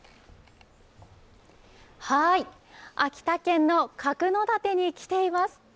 秋田県の角館に来ています。